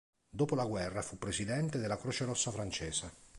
Dopo la guerra fu presidente della Croce Rossa francese.